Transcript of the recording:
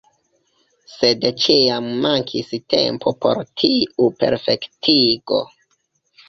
Sed ĉiam mankis tempo por tiu perfektigo.